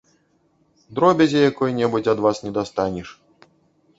Дробязі якой-небудзь ад вас не дастанеш.